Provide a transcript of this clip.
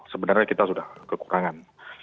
sebenarnya kita sudah kekurangan